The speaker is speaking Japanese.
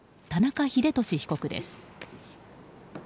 田中英寿被告です。